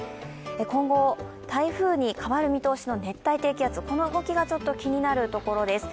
今後、台風に変わる見通しの熱帯低気圧、この動きがちょっと気になるところです。